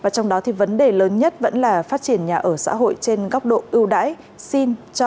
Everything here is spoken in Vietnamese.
trong đó vấn đề lớn nhất vẫn là phát triển nhà ở xã hội trên góc độ ưu đãi